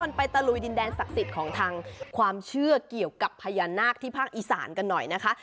มันไปตะลุยดินแดนศักดิ์สิทธิ์ของทางความเชื่อเกี่ยวกับพญานาคที่ภาคอีสานกันหน่อยนะคะ